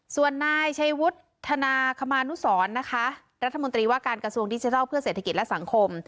ส่วนนายชัยวุฒิธนาคมานุสรนะคะรัฐมนตรีว่าการกระทรวงดิจิทัลเพื่อเศรษฐกิจและสังคม